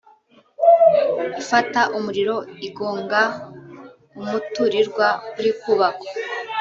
ifata umuriro igonga umuturirwa uri kubakwa